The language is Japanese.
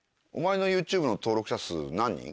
お前のＹｏｕＴｕｂｅの登録者数何人？